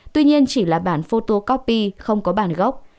tuy nhiên chỉ là bản photocopy không có bản gốc